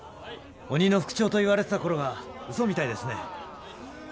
鬼の副長といわれてた頃がウソみたいですね。